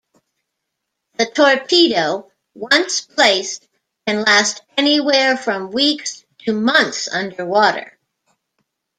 The torpedo, once placed, can last anywhere from weeks to months underwater.